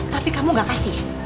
tapi kamu gak kasih